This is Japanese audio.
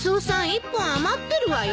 １本余ってるわよ。